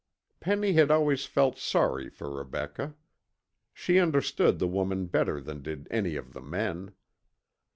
Penny had always felt sorry for Rebecca. She understood the woman better than did any of the men.